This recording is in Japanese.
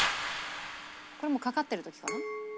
「これもうかかってる時かな？」